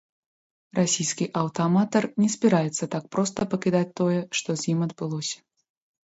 Расійскі аўтааматар не збіраецца так проста пакідаць тое, што з ім адбылося.